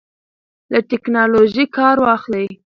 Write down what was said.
له ټیکنالوژۍ کار واخلئ.